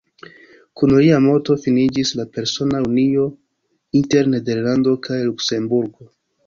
Kun lia morto finiĝis la persona unio inter Nederlando kaj Luksemburgo.